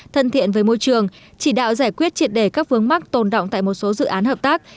thân thiện với môi trường chỉ đạo giải quyết triệt đề các vướng mắc tồn động tại một số dự án hợp tác